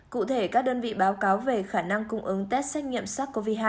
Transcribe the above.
cụ thể các đơn vị báo cáo về khả năng cung ứng test xét nghiệm sars cov hai